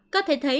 có thể thấy